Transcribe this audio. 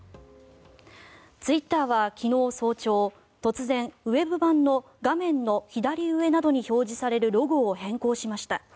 ツイッターは昨日早朝突然、ウェブ版の画面の左上などに表示されるロゴを変更しました。